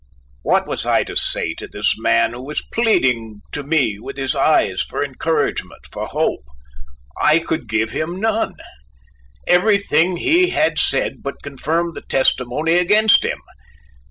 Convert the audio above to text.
What was I to say to this man who was pleading to me with his eyes for encouragement, for hope? I could give him none. Everything he had said but confirmed the testimony against him.